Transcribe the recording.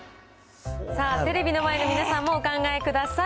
さあ、テレビの前の皆さんもお考えください。